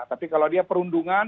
tapi kalau dia perundungan